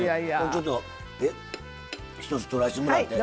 ちょっと一つ取らしてもらって。